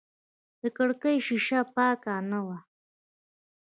د کړکۍ شیشه پاکه نه وه.